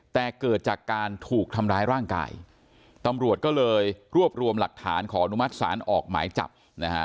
แต่เกิดจากการถูกทำร้ายร่างกายตำรวจก็เลยรวบรวมหลักฐานขออนุมัติศาลออกหมายจับนะฮะ